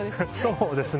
そうですね